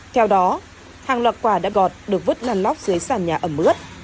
theo đó hàng loạt quà đã gọt được vứt nằn lóc dưới sàn nhà ẩm ướt